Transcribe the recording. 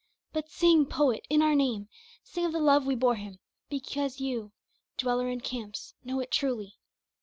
But sing poet in our name, Sing of the love we bore him because you, dweller in camps, know it truly.